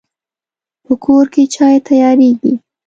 په کور کې چای تیاریږي